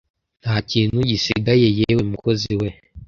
Nta kintu gisigayeYewe mukozi we